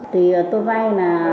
thì tôi vay là